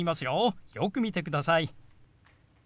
よく見てください。